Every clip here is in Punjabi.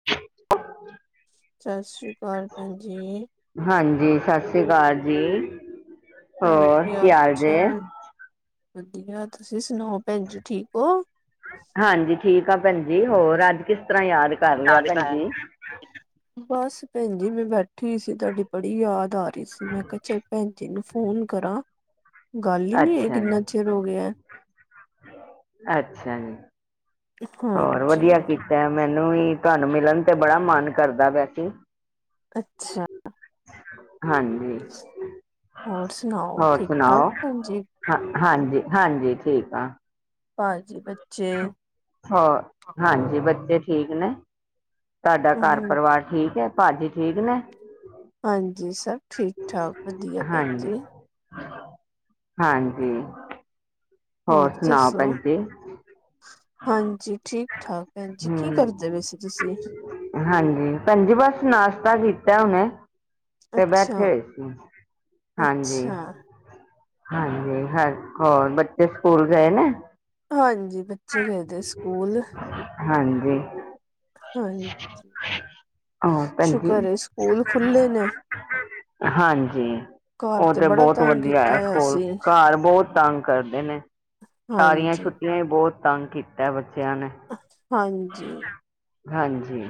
' [unintelligible] ਛਸਰੀ ਸ਼੍ਰੀ ਕਾਲ ਭੈਣ ਜੀ। ਹਾਂਜੀ, ਸਸੀ ਸ੍ਰੀ ਅਕਾਲ ਜੀ ਹੋਰ ਕੀ ਹਾਲ ਜੇ? ਵਧੀਆ ਤੁਸੀਂ ਸੁਣਾਓ ਭੈਣ ਜੀ, ਠੀਕ ਓ? ਹਾਂਜੀ, ਠੀਕ ਆ ਭੈਣ ਜੀ ਹੋਰ ਅੱਜ ਕਿਸ ਤਰ੍ਹਾਂ ਯਾਦ ਕਰ ' ਲਿਆ ਭੈਣ ਜੀ [unintelligible] ਬੱਸ ਭੈਣ ਜੀ। ਮੈਂ ਬੈਠੀ ਸੀ, ਤੁਹਾਡੀ ਬੜੀ ਯਾਦ ਆ ਰਹੀ ਸੀ। ਮੈਂ ਕਿਹਾ ਚੱਲ ਭੈਣ ਜੀ ਨੂੰ ਫੋਨ ਕਰਾਂ। ਗੱਲ ਹੀ ਨਹੀਂ ਹੋਈ ਅੱਛਾ ਜੀ ਕਿੰਨਾ ਚਿਰ ਹੋ ਗਿਆ। ਅੱਛਾ ਜੀ ਹੋਰ ਹਾਂਜੀ ਵਧੀਆ ਕੀਤਾ। ਮੈਨੂੰ ਵੀ ਤੁਹਾਨੂੰ ਮਿਲਣ ਤੇ ਬੜਾ ਮਨ ਕਰਦਾ ਪਿਆ ਸੀ। ਅੱਛਾ। ਹਾਂਜੀ। ਹੋਰ ਸੁਣਾਓ, ਹੋਰ ਠੀਕ-ਠਾਕ ਸੁਣਾਓ ਭੈਣ ਜੀ ਹਾਂ, ਹਾਂਜੀ-ਹਾਂਜੀ ਠੀਕ ਆਂ। ਭਾਜੀ ਬੱਚੇ ਹਾਂ, ਹਾਂਜੀ ਬੱਚੇ ਠੀਕ ਨੇ। ਤੁਹਾਡਾ ਘਰ ਹ ਪਰਿਵਾਰ ਠੀਕ ਆ ਭਾਜੀ ਠੀਕ ਨੇ ਹਾਂਜੀ, ਸਭ ਠੀਕ-ਠਾਕ ਵਧੀਆ ਭੈਣ ਹਾਂਜੀ ਜੀ। ਹਾਂਜੀ। ਹੋਰ ਸੁਣਾਓ ਦੱਸੋ ਭੈਣ ਜੀ ਹਾਂਜੀ, ਠੀਕ ਠਾਕ ਭੈਣਜੀ ਕੀ ਹਮ ਕਰਦੇ ਪਏ ਸੀ ਤੁਸੀਂ ਹਾਂਜੀ, ਭੈਣ ਜੀ ਬੱਸ ਨਾਸ਼ਤਾ ਕੀਤਾ ਹੁਨੇ। ਤੇ ਬੈਠੇ ਅੱਛਾ ਹੋਏ ਸੀ, ਹਾਂਜੀ। ਅੱਛਾ ਹਾਂਜੀ, ਹਰਕੋਰ ਬੱਚੇ ਸਕੂਲ ਗਏ ਨੇ ਹਾਂਜੀ, ਬੱਚੇ ਗਏ ਭੇਜਤੇ ਸਕੂਲ। ਹਾਂਜੀ। ਹਾਂਜੀ। ਔਰ ਭੈਣਜੀ' ਸ਼ੁਕਰ ਏ ' ਸਕੂਲ ਖੁੱਲੇ ਨੇ [unintelligible] ਹਾਂਜੀ, ਘਰ ਉਹ ਤੇ ਬੜਾ ਬਹੁਤ ਤੰਗ ਵਧੀਆ ਕੀਤਾ ਐ ਹੋਇਆ ਸਕੂਲ ਸੀ ਘਰ ਬਹੁਤ ਤੰਗ ਕਰਦੇ ਨੇ, ਸਾਰੀਆਂ ਹਾਂਜੀ ਛੁੱਟੀਆਂ ਬਹੁਤ ਤੰਗ ਕੀਤਾ, ਬੱਚਿਆਂ ਨੇ। ਹਾਂਜੀ। ਹਾਂਜੀ,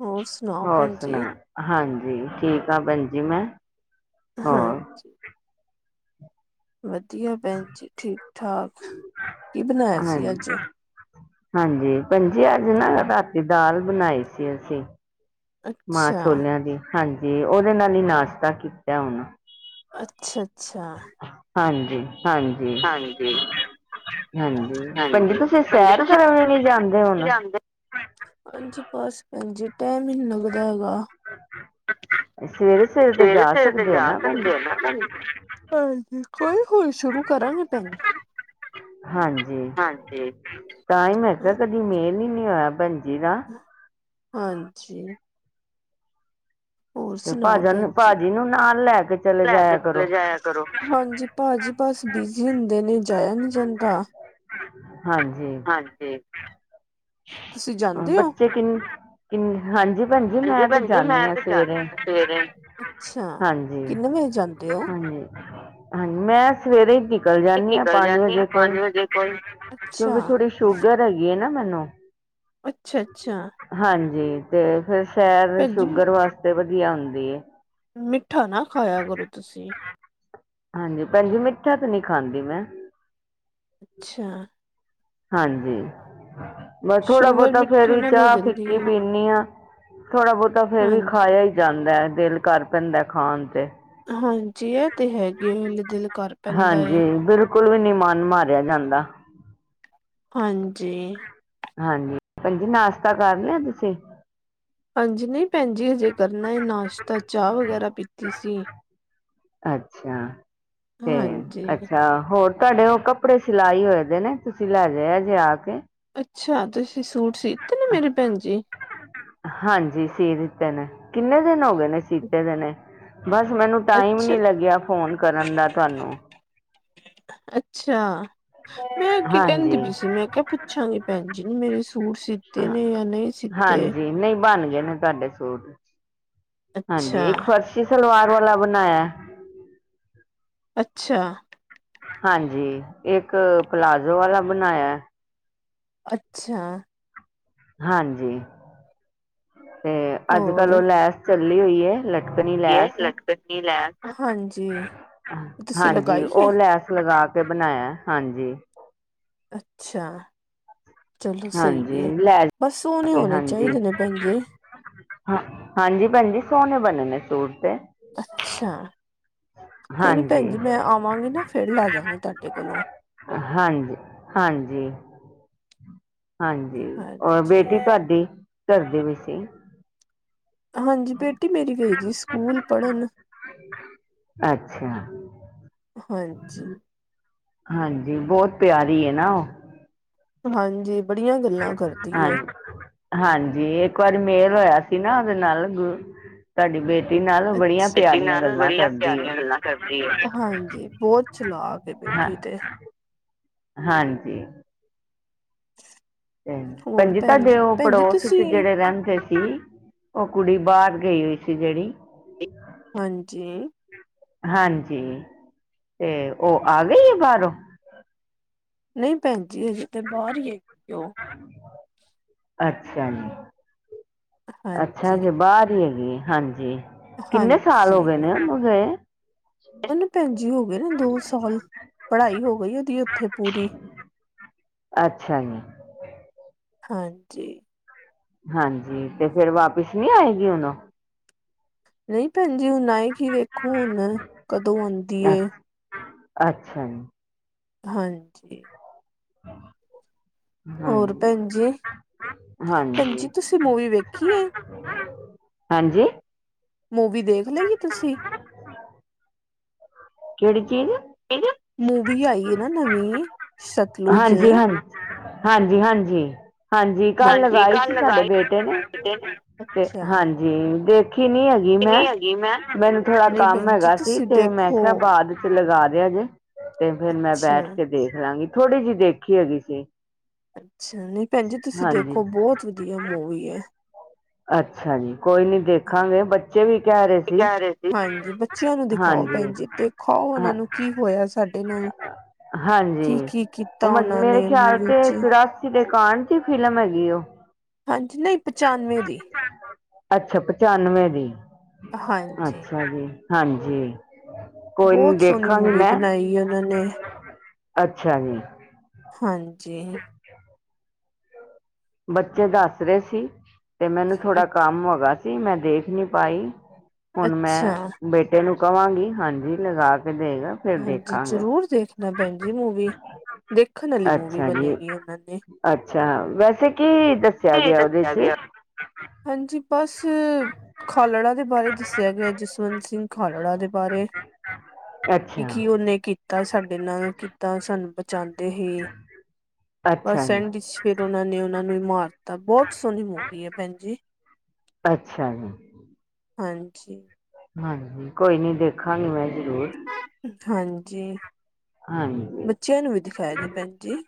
ਹੋਰ ਸੁਣਾਓ ਔਰ ਭੈਣ ਸੁਣਾ। ਜੀ ਹਾਂਜੀ, ਠੀਕ ਆ ਭੈਣ ਜੀ ਮੈਂ। ਹੋਰ ਹਾਂਜੀ। ਵਧੀਆ ਭੈਣ ਜੀ, ਠੀਕ-ਠਾਕ ਕੀ ਬਣਾਇਆ ਸੀ ਹਾਂਜੀ ਅੱਜ ਹਾਂਜੀ, ਭੈਣਜੀ ਅੱਜ ਨਾ ਰਾਤੀ ਦਾਲ ਬਣਾਈ ਸੀ ਅਸੀਂ। ਅੱਛਾ ਮਾਂਹ-ਛੋਲਿਆ ਦੀ ਹਾਂਜੀ, ਉਹਦੇ ਨਾਲ ਹੀ ਨਾਸ਼ਤਾ ਕੀਤਾ ਹੁਣ। ਅੱਛਾ-ਅੱਛਾ। ਹਾਂਜੀ-ਹਾਂਜੀ। ਹਾਂਜੀ, ਭੈਣਜੀ ਹਾਂਜੀ ਤੁਸੀਂ ਭੈਣਜੀ ਸੈਰ ਤੁਸੀਂ ਕਰਨ ਵੀ ਨੀ ਜਾਂਦੇ ਹੁਣ ਹਾਂਜੀ, ਬਸ ਭੈਣਜੀ ਟਾਇਮ ਹੀ ਨੀ ਲੱਗਦਾ ਹੈਗਾ। ਸਵੇਰੇ ਤੇ ਸਵੇਰੇ- ਜਾ ਸਵੇਰੇ ਤੇ ਸਕਦੇ ਹੋ ਜਾ ਨਾ ਭੈਣਜੀ ਸਕਦੇ ਆ ਨਾ ਭੈਣਜੀ। ਹਾਂਜੀ, ਹੌਲੀ-ਹੌਲੀ ਸ਼ੁਰੂ ਕਰਾਂਗੇ ਭੈਣ ਜੀ। ਹਾਂਜੀ, ਤਾਂ ਹੀ ਮੈਂ ਕਿਹਾ ਕਦੇ ਹਾਂਜੀ ਕਦੀ ਮੇਲ ਹੀ ਨੀ ਹੋਇਆ ਭੈਣ ਜੀ ਦਾ। ਹਾਂਜੀ। ਹੋਰ ਤੇ ਸੁਣਾਓ। ਭੈਣ ਭਾਜਨ ਜੀ ਭਾਜੀ ਨੂੰ ਨਾਲ ਲੈ ਕੇ ਚਲੇ ਪੈਦਲ ਜਾਇਆ ਕਰੋ ਚਲੇ ਜਾਇਆ ਕਰੋ। ਹਾਂਜੀ, ਭਾਜੀ ਬਸ ਬਿਜੀ ਹੁੰਦੇ ਨੇ ਜਾਇਆ ਨੀ ਜਾਂਦਾ। ਹਾਂਜੀ। ਹਾਂਜੀ। ਤੁਸੀਂ ਜਾਂਦੇ ਹੋ ਬੱਚੇ ਕਿੰਨੇ ਕਿੰਨੇ ਹਾਂਜੀ, ਭੈਣ ਜੀ ਹਾਂਜੀ ਮੈਂ ਤੇ ਭੈਣ ਜੀ ਜਾਂਦੀ ਮੈਂ ਹਾਂ ਤੇ ਜਾਂਦੀ ਸਵੇਰੇ ਹਾਂ ਸਵੇਰੇ ਅੱਛਾ ਹਾਂਜੀ। ਕਿੰਨੇ ਵਜੇ ਜਾਂਦੇ ਹੋ ਹਾਂਜੀ, ਹਾਂਜੀ ਮੈਂ ਸਵੇਰੇ ਈ ਕੀ ਨਿਕਲ ਜਾਂਦੀ ਆ ਨਿਕਲ ਪੰਜ ਜਾਂਦੀ ਆ ਵਜੇ ਕੁ, ਪੰਜ ਵਜੇ ਕੋਲ ਅੱਛਾ ਕਿਉਂਕਿ ਥੋੜ੍ਹੀ ਸ਼ੂਗਰ ਹੈਗੀ ਹੈ ਨਾ ਮੈਨੂੰ। ਅੱਛਾ - ਅੱਛਾ। ਹਾਂਜੀ ਤੇ ਫਿਰ ਸੈਰ ਭੈਣ ਜੀ ਸ਼ੂਗਰ ਵਾਸਤੇ ਵਧੀਆ ਹੁੰਦੀ ਐ। ਮਿੱਠਾ ਨਾ ਖਾਇਆ ਕਰੋ ਤੁਸੀਂ। ਹਾਂਜੀ ਭੈਣ ਜੀ ਮਿੱਠਾ ਤੇ ਨਹੀ ਖਾਂਦੀ ਮੈਂ। ਅੱਛਾ। ਹਾਂਜੀ, ਮੈਂ ਥੋੜਾ ਸ਼ੂਗਰ -ਬਹੁਤਾ ਫੇਰ ਮਿੱਠੇ ਵੀ ਨਾਲ ਹੋ ਚਾਹ ਜਾਂਦੀ ਫਿੱਕੀ ਹੈ ਪੀਂਦੀ ਹਾਂ। ਥੋੜ੍ਹਾ -ਬਹੁਤਾ ਫੇਰ ਵੀ ਹਾਂਜੀ ਖਾਇਆ ਹੀ ਜਾਂਦਾ ਦਿਲ ਕਰ ਪੈਂਦਾ ਖਾਣ ਤੇ ਹਾਂਜੀ ਇਹ ਤੇ ਹੈਗੇ ਹਲੇ ਦਿਲ ਕਰ ਪੈਂਦਾ ਏ। ਬਿਲਕੁੱਲ ਵੀ ਨੀ ਮਨ ਮਾਰਿਆ ਜਾਂਦਾ। ਹਾਂਜੀ। ਹਾਂਜੀ ਭੈਣ ਜੀ ਨਾਸ਼ਤਾ ਕਰ ਲਿਆ ਤੁਸੀਂ। ਹਾਂਜੀ, ਨਹੀਂ ਭੈਣ ਜੀ ਹਜੇ ਕਰਨਾ ਨਾਸ਼ਤਾ ਚਾਹ ਵਗੈਰਾ ਪੀਤੀ ਸੀ। ਅੱਛਾ ਤੇ ਹਾਂਜੀ ਅੱਛਾ ਹੋਰ। ਤੁਹਾਡੇ ਉਹ ਕੱਪੜੇ ਸਿਲਾਈ ਹੋਏ ਦੇ ਨੇ, ਤੁਸੀਂ ਲੈ ਜਾਇਆ ਜੇ ਆ ਕੇ। ਅੱਛਾ, ਤੁਸੀਂ ਸੂਟ ਸੀਤੇ ਨੀ ਮੇਰੇ ਭੈਣ ਜੀ। ਹਾਂਜੀ ਸੀ ਦਿੱਤੇ ਨੇ, ਕਿੰਨੇ ਦਿਨ ਹੋ ਗਏ ਨੇ ਸੀਤੇ ਵੇ ਨੇ। ਬਸ ਮੈਨੂੰ ਟਾਇਮ ਅੱਛਾ ਨੀ ਲੱਗਿਆ ਫੋਨ ਕਰਨ ਦਾ ਤੁਹਾਨੂੰ। ਅੱਛਾ, ਮੈਂ ਅੱਗੇ ਕਹਿੰਦੀ ਹਾਂਜੀ ਪਈ ਸੀ। ਮੈਂ ਕਿਹਾ ਪੁ ਪੁੱਛਾਗੀ ਭੈਣ ਜੀ ਨੂੰ ਮੇਰੇ ਸੂਟ ਸੀਤੇ ਹਾਂ, ਨੇ ਜਾਂ ਨਹੀਂ ਸੀਤੇ ਹਾਂਜੀ ਨਹੀਂ ਬਣ ਗਏ ਨੇ ਤੁਹਾਡੇ ਸੂਟ। ਹਾਂਜੀ, ਅੱਛਾ ਇੱਕ ਫਰਸੀ ਸਲਵਾਰ ਵਾਲਾ ਬਣਾਇਆ। ਅੱਛਾ। ਹਾਂਜੀ, ਇੱਕ ਪਲਾਜ਼ੋ ਵਾਲਾ ਬਣਾਇਆ। ਅੱਛਾ। ਹਾਂਜੀ, ਤੇ ਅੱਜ- ਕੱਲ ਹੋਰ ਉਹ ਲੈਸ ਚੱਲੀ ਹੋਈ ਹੈ ਲ ਲਟਕੱਟੀ ਲੈਸ, ਹਾਂਜੀ। ਤੁਸੀਂ ਹਾਂਜੀ, ਲਗਾਈ ਹੈ ਉਹ ਲੈਸ ਲਗਾ ਕੇ ਬਣਾਇਆ ਹਾਂਜੀ। ਅੱਛਾ। ਚਲੋ ਸਹੀ ਹਾਂਜੀ ਹੈ, ਲੈ ਬਸ ਜਾ ਸੋਹਣੇ ਕੇ ਹੋਣੇ ਹਾਂਜੀ ਚਾਹੀਦੇ ਨੇ ਲਟਕਣ ਜੇ ਹਾਂ, ਹਾਂਜੀ ਭੈਣਜੀ ਸੋਹਣੇ ਬਣੇ ਨੇ ਸੂਟ ਤੇ ਅੱਛਾ, ਕੋਈ ਨੀ ਹਾਂਜੀ ਭੈਣ ਜੀ ਮੈਂ ਆਵਾਂਗੀ ਨਾ ਫਿਰ ਲੈ ਜਵਾਂਗੀ ਤੁਹਾਡੇ ਕੋਲੋਂ। ਹਾਂਜੀ-ਹਾਂਜੀ। ਹਾਂਜੀ ਔਰ ਹਾਂਜੀ ਬੇਟੀ ਤੁਹਾਡੀ ਘਰ ਦੀ ਵੀ ਸੀ। ਹਾਂਜੀ, ਬੇਟੀ ਮੇਰੀ ਗਈ ਵੀ ਸਕੂਲ ਪੜ੍ਹਨ। ਅੱਛਾ। ਹਾਂਜੀ। ਹਾਂਜੀ, ਬਹੁਤ ਪਿਆਰੀ ਏ ਨਾ ਉਹ। ਹਾਂਜੀ। ਬੜੀਆਂ ਗੱਲਾਂ ਕਰਦੀ ਹੈ ਹਾਂਜੀ, ਇੱਕ ਵਾਰੀ ਮੇਲ ਹੋਇਆ ਸੀ ਨਾ ਉਹਦੇ ਨਾਲ ਗ- ਅੱਛਾ, ਨਾਲੇ ਗੱਲਾਂ ਬੜੀਆ ਕਰਦੀ ਹੈ ਪਿਆਰੀਆ ਗੱਲਾਂ ਕਰਦੀ ਏ, ਹਾਂਜੀ ਬਹੁਤ ਚਲਾਕ। ਇਹ ਫਿਰ ਹਾਂ ਠੀਕ ਏ। ਹਾਂਜੀ। ਤੇ ਭੈਣ ਹੋਰ ਜੀ ਤੁਹਾਡੇ ਉਹ ਭੈਣ ਜੀ ਪੜੋਸ ਚ ਤੁਸੀਂ ਜਿਹੜੇ ਰਹਿੰਦੇ ਸੀ। ਉਹ ਕੁੜੀ ਬਾਹਰ ਗਈ ਹੋਈ ਸੀ ਜਿਹੜੀ। ਹਾਂਜੀ। ਹਾਂਜੀ ਤੇ ਉਹ ਆ ਗਈ ਆ ਬਾਹਰੋਂ। ਨਹੀਂ ਭੈਣਜੀ ਹਜੇ ਤੇ ਬਾਹਰ ਹੀ ਏ। ਕਿਉ? ਅੱਛਾ ਜੀ। ਅੱਛਾ ਹਾਂਜੀ ਜੀ ਬਾਹਰ ਹੀ ਹੈਗੀ, ਹਾਂਜੀ ਕਿੰਨੇ ਸਾਲ ਹੋ ਹਾਂਜੀ ਗਏ ਨੇ ਉਹਨੂੰ ਗਏ। ਉਹਨੂੰ ਭੈਜੀ ਹੋ ਗਏ ਨੇ ਦੋ ਸਾਲ ਪੜ੍ਹਾਈ ਹੋ ਗਈ ਉਹਦੀ ਉੱਥੇ ਪੂਰੀ। ਅੱਛਾ ਜੀ। ਹਾਂਜੀ। ਹਾਂਜੀ ਤੇ ਫੇਰ ਵਾਪਿਸ ਨੀ ਆਏਗੀ ਹੁਣ ਉਹ। ਨਹੀਂ ਭੈਣ ਜੀ ਹੁਣ ਆਏ ਕੀ ਵੇਖੋ ਹੁਣ ਕਦੋਂ ਆਦੀ ਏ। ਅੱਛਾ ਜੀ। ਹਾਂਜੀ। ਹੋਰ ਹਾਂਜੀ ਭੈਣ ਜੀ। ਭੈਣ ਜੀ ਹਾਂਜੀ ਤੁਸੀਂ ਮੂਵੀ ਵੇਖੀ ਏ। ਹਾਂਜੀ। ਮੂਵੀ ਦੇਖ ਲਈ ਤੁਸੀਂ? ਕਿਹੜੀ ਚੀਜ਼? ਮੂਵੀ ਆਈ ਨਾ ਨਵੀਂ ਸਤਲੁਜ। ਹਾਂਜੀ-ਹਾਂਜੀ-ਹਾਂਜੀ-ਹਾਂਜੀ। ਹਾਂਜੀ ਹਾਂਜੀ ਲਗਾਈ ਕੱਲ ਸੀ ਸਾਡੇ ਲਗਾਈ ਬੇਟੇ ਨੇ ਤੇ ਤੇ ਅੱਛਾ ਹਾਂਜੀ, ਦੇਖੀ ਨੀ ਮੈਂ ਕਿੰਨੀ ਹੈਗੀ ਮੈਂ ਮੈਨੂੰ ਥੋੜਾ ਨਹੀਂ ਕੰਮ ਭੈਣ ਜੀ ਹੈਗਾ ਸੀ ਤੁਸੀਂ ਤੇ ਮੈਂ ਦੇਖੋ ਕਿਹਾ ਬਾਅਦ ਫਿਰ ਲਗਾ ਦਿਆਗੇ ਤੇ ਫਿਰ ਮੈਂ ਬੈਠ ਅੱਛਾ ਕੇ ਦੇਖ ਲਾਂਗੀ ਥੋੜ੍ਹੀ ਜਿਹੀ ਦੇਖੀ ਹੈਗੀ ਸੀ। ਅੱਛਾ, ਨਈ ਭੈਣ ਜੀ ਤੁਸੀਂ ਹਾਂਜੀ ਦੇਖੋ ਬਹੁਤ ਵਧੀਆ ਮੂਵੀ ਏ। ਅੱਛਾ ਜੀ, ਕੋਈ ਨੀ। ਦੇਖਾਂਗੇ ਬੱਚੇ ਵੀ ਕਹਿ ਰਹੇ ਸੀ, ਹਾਂਜੀ। ਖਾਓ। ਉਹਨਾਂ ਹਾਂ ਨੂੰ ਕੀ ਹੋਇਆ ਸਾਡੇ ਨਾਲ। ਹਾਂਜੀ, ਕੀ-ਕੀ ਕੀਤਾ ਉਹ ਉਹਨਾਂ ਮੇਰੇ ਨੇ ਖਿਆਲ ਮੂਵੀ ਤੇ ਚ ਚਰਾ ਕਿ ਦੁਕਾਨ ਚ ਫਿਲਮ ਹੈਗੀ ਉਹ। ਹਾਂਜੀ ਨਹੀਂ। ਪਚਾਨਵੇਂ ਦੀ ਅੱਛਾ ਪਚਾਨਵੇਂ ਦੀ, ਹਾਂਜੀ ਅੱਛਾ ਜੀ। ਹਾਂਜੀ। ਕੋਈ ਨੀ ਬਹੁਤ ਸੋਹਣੀ ਦੇਖਾਂਗੀ ਮੂਵੀ ਮੈਂ ਬਣਾਈ ਉਹਨਾਂ ਨੇ। ਅੱਛਾ ਜੀ। ਹਾਂਜੀ। ਬੱਚੇ ਦੱਸ ਰਹੇ ਸੀ, ਤੇ ਮੈਨੂੰ ਅ ਥੋੜਾ ਕੰਮ ਹੋਗਾ ਸੀ। ਜੀ ਮੈਂ ਦੇਖ ਨੀ ਪਾਈ, ਹੁਣ ਮੈਂ ਅੱਛਾ ਬੇਟ ਏਨੂੰ ਕਹਾਂਗੀ ਹਾਂਜੀ ਲਗਾ ਕੇ ਦੇਵੇਗਾ। ਹਾਂਜੀ ਜ਼ਰੂਰ ਦੇਖਣਾ ਭੈਣ ਜੀ ਮੂਵੀ। ਦੇਖਣ ਆਲੀ ਮੂਵੀ ਅੱਛਾ ਜੀ ਬਣਾਈ ਹੈ ਉਹਨਾਂ ਨੇ। ਅੱਛਾ ਵੈਸੇ ਕੀ ਦੱਸਿਆ ਇਹ ਗਿਆ ਉਹਦੇ ਦੱਸਿਆ ਚ ਗਿਆ, ਹਾਂਜੀ। ਬੱਸ, ਖਾਲੜਾ ਦੇ ਬਾਰੇ ਦੱਸਿਆ ਗਿਆ, ਜਸਵੰਤ ਸਿੰਘ ਖਾਲੜਾ ਦੇ ਬਾਰੇ। ਕੀ, ਅੱਛਾ ਕੀ ਉਹਨੇ ਕੀਤਾ ਸਾਡੇ ਨਾਲ ਕਿੱਦਾਂ ਸਾਨੂੰ ਬਚਾਉਂਦੇ ਸੀ। ਅੱਛਾ ਬਸ ਜੀ ਐਂਡ ਵਿਚ ਫਿਰ ਉਹਨਾ ਨੇ ਉਹਨਾਂ ਨੂੰ ਹੀ ਮਾਰ ਦਿੱਤਾ ਬਹੁਤ ਸੋਹਣੀ ਮੂਵੀ ਹੈ ਭੈਣ ਜੀ। ਅੱਛਾ ਜੀ। ਹਾਂਜੀ। ਹਾਂਜੀ, ਕੋਈ ਨੀ ਦੇਖਾਂਗੀ ਮੈ ਜ਼ਰੂਰ। ਹਾਂਜੀ, ਹਾਂਜੀ ਬੱਚਿਆਂ ਨੂੰ ਵੀ ਦਿਖਾਇਆ ਜੀ ਭੈਣ ਜੀ।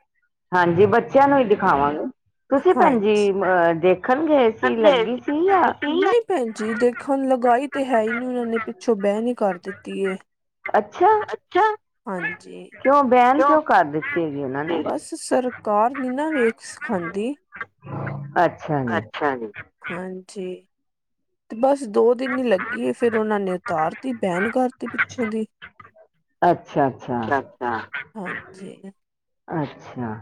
ਹਾਂਜੀ ਬੱਚਿਆਂ ਨੂੰ ਹੀ ਦਿਖਾਵਾਂਗੇ, ਤੁਸੀਂ ਭੈਣ ਜੀ ਮ ਦੇਖਣ ਗਏ ਸੀ। ਹਜੀ ਲੱਗੀ ਸੀ [unintelligible] ਜਾਂ ਨਹੀਂ ਭੈਣਜੀ ਦੇਖਣ ਲਗਾਈ ਤੇ ਹੈ ਨਹੀਂ ਉਹਨਾਂ ਨੇ ਪਿੱਛੋਂ ਬੈਂਡ ਕਰ ਦਿੱਤੀ ਐ। ਅੱਛਾ। ਅੱਛਾ ਹਾਂਜੀ। ਕਿਉਂ ਬੈਨ ਕਿਉਂ, ਕਰ ਦਿੱਤੀ ਹੈਗੀ ਉਹਨਾਂ ਨੇ ਬਸ ਸਰਕਾਰ ਨੀ ਨਾ ਵੇਖ ਸਿਖਾਂਦੀ। ਅੱਛਾ। ਜੀ ਅੱਛਾ, ਹਾਂਜੀ ਤੇ ਬਸ ਦੋ ਦਿਨ ਈ ਲੱ ਗੇ ਫ਼ੇਰ ਉਹਨਾਂ ਨੇ ਉਤਾਰਤੀ ਬੈਨ ਕਰਤੀ ਪਿੱਛੋਂ ਦੀ ਅੱਛਾ- ਅੱਛਾ। ਹਾਂ -ਹਾਂਜੀ। ਅੱਛਾ।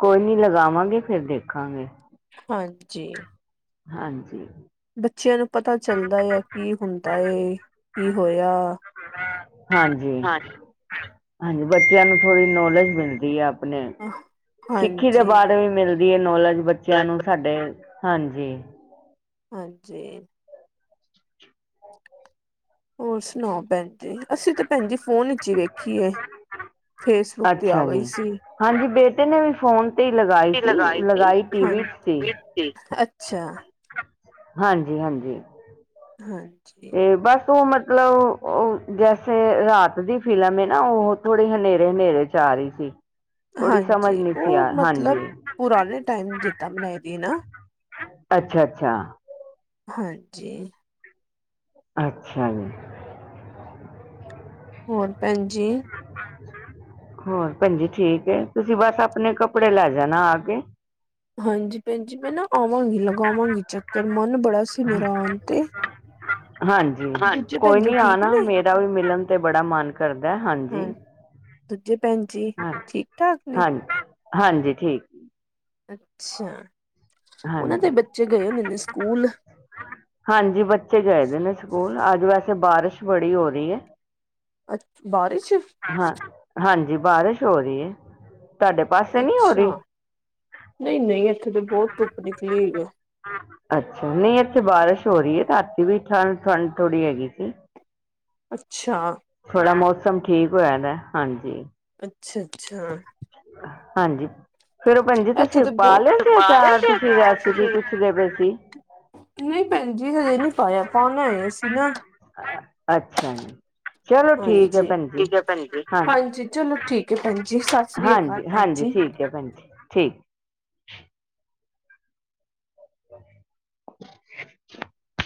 ਕੋਈ ਨੀ ਲਗਾਵਾਂਗੇ, ਫ਼ੇਰ ਦੇਖਾਂਗੇ। ਹਾਂਜੀ। ਹਾਂਜੀ। ਬੱਚਿਆਂ ਨੂੰ ਪਤਾ ਚੱਲਦਾ ਆ ਕੀ ਹੁੰਦਾ ਏ, ਕੀ ਹੋਇਆਂ। ਹਾਂਜੀ, ਹਾਂਜੀ ਬੱਚਿਆਂ ਨੂੰ ਥੋੜ੍ਹੀ ਨੌਲੇਜ ਮਿਲਦੀ ਆ। ਆਪਣੇ, ਸਿੱਖੀ ਦੇ ਹਾਂਜੀ। ਬਾਅਦ ਵੀ ਮਿਲਦੀ ਹੈ, ਨੌਲੇਜ ਬੱਚਿਆਂ ਨੂੰ ਸਾਡੇ। ਹਾਂਜੀ। ਹਾਂਜੀ। ਹੋਰ ਸੁਣਾਓ ਭੈਣ? ਤੇ ਅਸੀਂ ਤਾਂ ਭੈਣ ਜੀ ਫ਼ੋਨ ਵਿੱਚ ਈ ਵੇਖੀਏ, ਫੇਸਬੁੱਕ ਤੇ ਆ ਅੱਛਾ ਗਈ ਜੀ ਸੀ। ਹਾਂਜੀ ਬੇਟੇ ਨੇ ਵੀ ਫ਼ੋਨ ਤੇ ਲਗਾਈ ਸੀ, ਲਗਾਈ ਟੀਵੀ 'ਚ ਸੀ। ਅੱਛਾ, ਹਾਂਜੀ- ਹਾਂਜੀ। ਹਾਂਜੀ। ਤੇ ਬਸ ਉਹ ਮਤਲਬ ਉਹ ਜੈਸੇ ਰਾਤ ਦੀ ਫ਼ਿਲਮ ਏ ਨਾ ਉਹ ਥੋੜ੍ਹੇ ਹਨੇਰੇ-ਹਨੇਰੇ 'ਚ ਚਾਅ ਰਹੀ ਸੀ। ਥੋੜ੍ਹੀ ਹਾਂਜੀ, ਸਮਝ ਨਹੀਂ ਸੀ ਉਹ ਆ ਮਤਲਬ, ਹਾਂਜੀ ਪੁਰਾਣੇ ਟਾਈਮ ਜਿੱਦਾਂ, ਬਣਾਈ ਦੀ ਨਾ ਅੱਛਾ- ਅੱਛਾ। ਹਾਂਜੀ। ਅੱਛਾ ਜੀ। ਹੋਰ ਭੈਣ ਜੀ ਹੋਰ ਭੈਣ ਜੀ ਠੀਕ ਐ ਤੁਸੀਂ ਬੱਸ ਆਪਣੇ ਕੱਪੜੇ ਲੈ ਜਾਣਾ ਆ ਕੇ ਹਾਂਜੀ, ਭੈਣ ਜੀ ਮੈਂ ਨਾ ਆਵਾਂਗੀ ਲਗਾਵਾਂਗੀ ਚੱਕਰ ਮਨ ਬੜਾ ਮੇਰਾ ਆਉਣ ਤੇ ਹਾਂਜੀ, ਦੂਜੇ ਭੈਣ ਜੀ ਠੀਕ ਨੇ ਦਾ ਵੀ ਮਿਲਣ ਤੇ ਮਨ ਕਰਦਾ ਹਾਂਜੀ ਹਾਂ, ਦੂਜੇ ਭੈਣ ਜੀ ਹਾਂ, ਠੀਕ-ਠਾਕ ਨੇ? ਹਾਂਜੀ-ਹਾਂਜੀ ਠੀਕ। ਅੱਛਾ, ਉਹਨਾਂ ਦੇ ਹਾਂਜੀ ਬੱਚੇ ਗਏ ਹੁੰਦੇ ਨੇ ਸਕੂਲ ਹਾਂਜੀ, ਬੱਚੇ ਗਏ ਦੇ ਨੇ ਸਕੂਲ ਅੱਜ ਵੈਸੇ ਬਾਰਿਸ਼ ਬੜੀ ਹੋ ਰਹੀ ਐ ਅੱਛ ਬਾਰਿਸ਼ ਹਾਂ, ਹਾਂਜੀ ਬਾਰਿਸ਼ ਹੋ ਰਹੀ ਏ ਅੱਛਾ, ਨਹੀਂ-ਨਹੀਂ ਇੱਥੇ ਤਾਂ ਬਹੁਤ ਧੁੱਪ ਨਿਕਲੀ ਹੋਈ ਏ। ਅੱਛਾ, ਨਹੀਂ ਇੱਥੇ ਬਾਰਿਸ਼ ਹੋ ਰਹੀ ਐ ਤਾਂ ਰਾਤੀਂ ਵੀ ਠੰਡ-ਠੰਡ ਥੋੜ੍ਹੀ ਹੈਗੀ ਸੀ। ਅੱਛਾ। ਥੋੜ੍ਹਾ ਮੌਸਮ ਠੀਕ ਹੋਇਆਂ ਦਾ ਹਾਂਜੀ। ਅੱਛਾ-ਅੱਛਾ। ਹਾਂਜੀ, ਫ਼ੇਰ ਉਹ ਭੈਣ ਜੀ ਇੱਥੇ ਤੁਸੀਂ ਤੇ ਪਾ ਲਿਆ ਬਹੁਤ ਸੀ ਪਾਇਆ ਅਚਾਰ ਸੀ ਤੁਸੀਂ ਅਚਾਰ ਰੈਸਪੀ ਤੁਸੀਂ ਪੁੱਛ ' [unintelligible] ' ਸੀ। ਨਹੀਂ ਭੈਣ ਜੀ, ਹਜੇ ਨਹੀਂ ਪਾਇਆ ਪਾਉਣਾ ਐ ਅਸੀਂ ਨਾ ਅੱਛਾ ਜੀ ਚਲੋ ਠੀਕ ਹੈ ਹਾਂਜੀ, ਭੈਣ ਜੀ ਠੀਕ ਹੈ ਭੈਣ ਹਾਂ ਹਾਂਜੀ ਚਲੋ ਠੀਕ ਹੈ ਭੈਣ ਜੀ ਸੱਸਰੀਆ ਕਾਲ ਭੈਣ ਜੀ। ' [unintelligible] ' ਭੈਣ ਜੀ ਠੀਕ ' [inaudible]